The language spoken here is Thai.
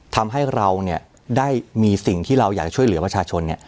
ทำให้เราได้มีสิ่งที่เราอยากช่วยเหลือประชาชน